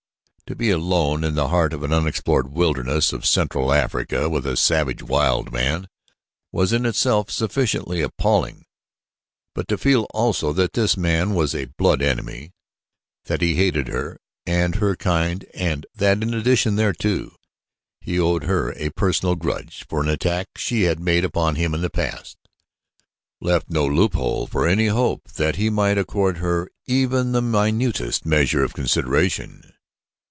To be alone in the heart of an unexplored wilderness of Central Africa with a savage wild man was in itself sufficiently appalling, but to feel also that this man was a blood enemy, that he hated her and her kind and that in addition thereto he owed her a personal grudge for an attack she had made upon him in the past, left no loophole for any hope that he might accord her even the minutest measure of consideration.